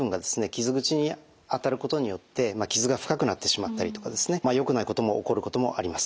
傷口に当たることによって傷が深くなってしまったりとかですねよくないことも起こることもあります。